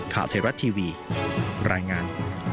ข้าวเทราะห์ทีวีรายงาน